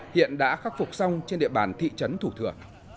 hiện đã khắc phục xong trên địa bàn thị trấn thủ thừa